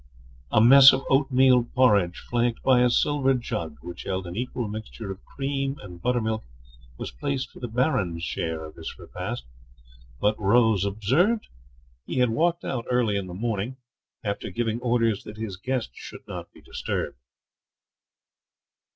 A mess of oatmeal porridge, flanked by a silver jug, which held an equal mixture of cream and butter milk, was placed for the Baron's share of this repast; but Rose observed, he had walked out early in the morning, after giving orders that his guest should not be disturbed.